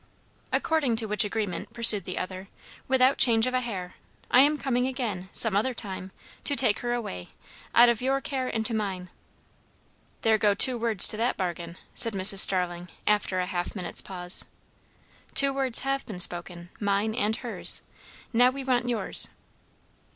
"According to which agreement," pursued the other, without change of a hair, "I am coming again, some other time, to take her away, out of your care into mine." "There go two words to that bargain," said Mrs. Starling after a half minute's pause. "Two words have been spoken; mine and hers. Now we want yours."